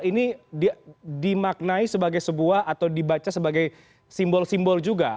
ini dimaknai sebagai sebuah atau dibaca sebagai simbol simbol juga